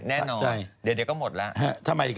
แน่นอนเดี๋ยวก็หมดแล้ว